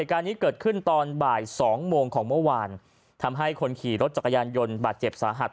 การนี้เกิดขึ้นตอนบ่ายสองโมงของเมื่อวานทำให้คนขี่รถจักรยานยนต์บาดเจ็บสาหัส